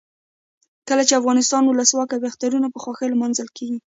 کله چې افغانستان کې ولسواکي وي اخترونه په خوښۍ لمانځل کیږي.